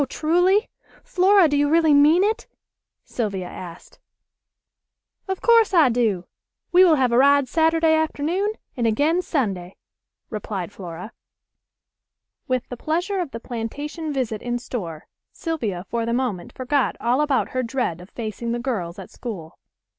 Truly? Flora, do you really mean it?" Sylvia asked. "Of course I do. We will have a ride Saturday afternoon and again Sunday," replied Flora. With the pleasure of the plantation visit in store Sylvia for the moment forgot all about her dread of facing the girls at school.